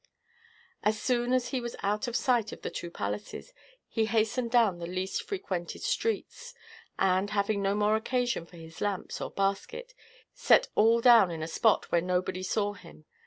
As soon as he was out of sight of the two palaces, he hastened down the least frequented streets; and, having no more occasion for his lamps or basket, set all down in a spot where nobody saw him.